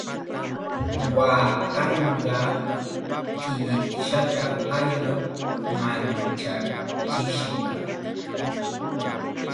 Waatanqaa killikshata allqu manchachishqa.